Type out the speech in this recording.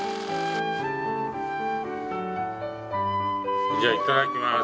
「それじゃあいただきます」